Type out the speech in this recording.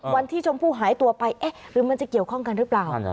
ชมพู่หายตัวไปเอ๊ะหรือมันจะเกี่ยวข้องกันหรือเปล่า